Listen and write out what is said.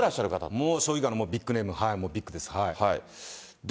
もう、将棋界のビッグネーム、ビッグです。